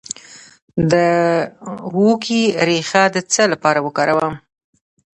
د هوږې ریښه د څه لپاره وکاروم؟